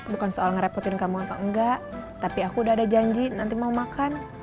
bukan soal ngerepotin kamu atau enggak tapi aku udah ada janji nanti mau makan